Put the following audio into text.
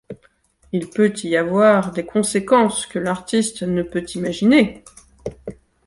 Il peut y avoir des conséquences que l'artiste ne peut imaginer.